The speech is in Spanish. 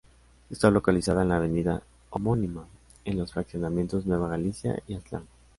Está localizada en la avenida homónima en los fraccionamientos Nueva Galicia y Aztlán.